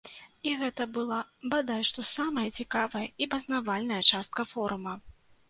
І гэта была бадай што самая цікавая і пазнавальная частка форума.